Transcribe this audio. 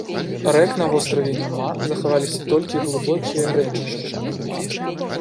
Рэк на востраве няма, захаваліся толькі глыбокія рэчышча.